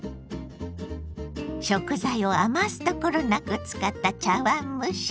食材を余すところなく使った茶碗蒸し。